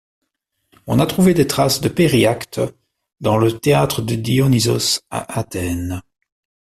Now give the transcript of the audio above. On a trouvé des traces de périactes dans le Théâtre de Dionysos à Athènes.